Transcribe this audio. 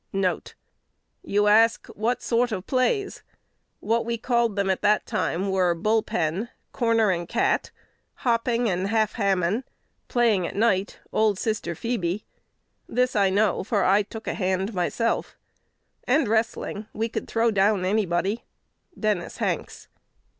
1 1 "You ask, What sort of plays? What we called them at that time were 'bull pen,' 'corner and cat,' 'hopping and half hammon;' playing at night 'old Sister Feby.' This I know, for I took a hand myself; and, wrestling, we could throw down anybody." Dennis Hanks.